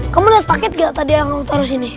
kamu lihat paket gak tadi yang taruh sini